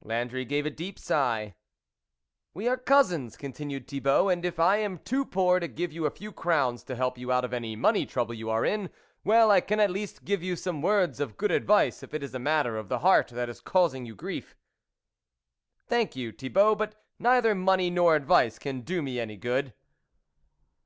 Landry gave a deep sigh. " We are cousins," continued Thibault, " and if I am too poor to give you a few crowns to help you out of any money trouble you are in, well, I can at least give you some words of good advice if it is a matter of the heart that is causing you grief." " Thank you, Thibault ; but neither money nor advice can do me any good."